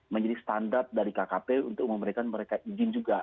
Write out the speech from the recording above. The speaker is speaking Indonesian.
menjadi standar dari kkp untuk memberikan mereka izin juga